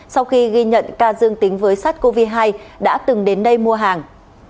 sau khi ghi nhận ca dương tính với sát covid một mươi chín đã từng đến đây mua hàng